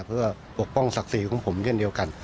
เพื่อปกป้องศักดิ์ศรีของผมเช่นเดียวกัน